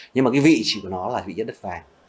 nhưng mà cái vị chỉ của nó là vị nhất đất vàng